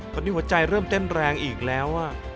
ตอนนี้หัวใจเริ่มเต้นแรงอีกแล้ว